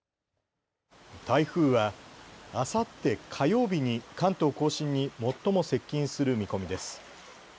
台風はあさって火曜日に関東甲信に最も接近する見込みです。